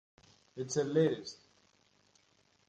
It’s elitist.